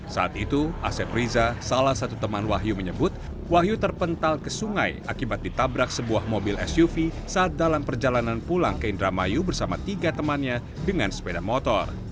saat itu asep riza salah satu teman wahyu menyebut wahyu terpental ke sungai akibat ditabrak sebuah mobil suv saat dalam perjalanan pulang ke indramayu bersama tiga temannya dengan sepeda motor